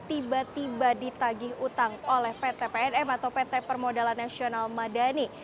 tiba tiba ditagih utang oleh pt pnm atau pt permodalan nasional madani